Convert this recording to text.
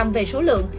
về số lượng